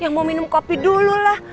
yang mau minum kopi dulu lah